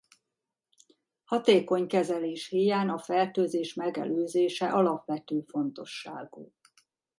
Hatékony kezelés híján a fertőzés megelőzése alapvető fontosságú.